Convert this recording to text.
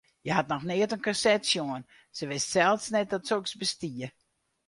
Hja hat noch nea in korset sjoen, se wist sels net dat soks bestie.